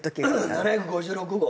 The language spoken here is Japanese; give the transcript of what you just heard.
７５６号。